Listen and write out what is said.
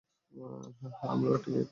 হ্যাঁ, আমরাও ঠিক একই কথা ভাবছি!